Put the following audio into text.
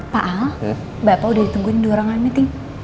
pak al bapak udah ditungguin di orang lain meeting